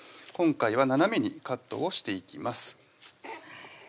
今回は斜めにカットをしていきます